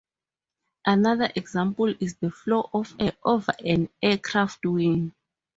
Another example is the flow of air over an aircraft wing.